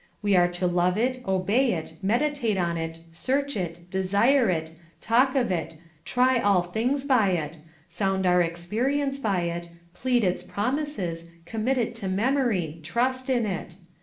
We are to love it, obey it, meditate on it, search it, desire it, talk of it, try all things by it, sound our experience by it, plead its promises, commit it to memory, trust in it.